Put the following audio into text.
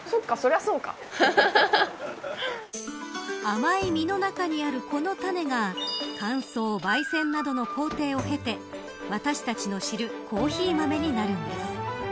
甘い実の中にある、この種が乾燥、焙煎などの工程を経て私たちの知るコーヒー豆になるのです。